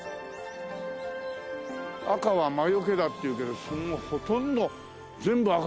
赤は魔よけだっていうけどほとんど全部赤でね。